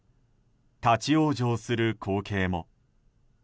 立ち往生する光景も。